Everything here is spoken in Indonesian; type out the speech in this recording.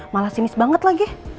malah sinis banget lagi